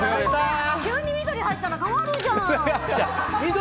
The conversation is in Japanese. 急に緑入ったら変わるじゃん！